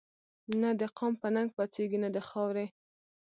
نه دقام په ننګ پا څيږي نه دخاوري